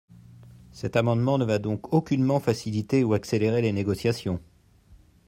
Cet amendement ne va donc aucunement faciliter ou accélérer les négociations.